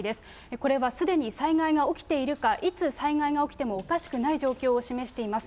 これはすでに災害が起きているか、いつ災害が起きてもおかしくない状況を示しています。